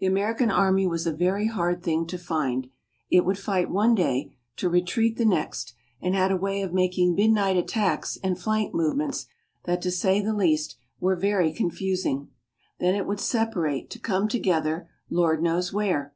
The American army was a very hard thing to find. It would fight one day, to retreat the next, and had a way of making midnight attacks and flank movements that, to say the least, were very confusing. Then it would separate, to come together Lord knows where!